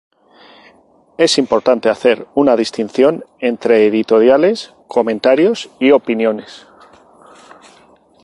Es importante hacer una distinción entre editoriales, comentarios y opiniones.